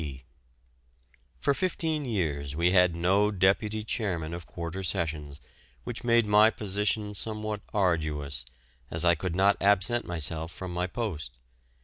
P. For fifteen years we had no deputy chairman of Quarter Sessions, which made my position somewhat arduous, as I could not absent myself from my post.